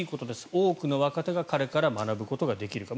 多くの若手が彼から学ぶことができるから。